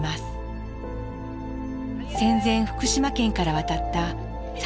戦前福島県から渡ったさ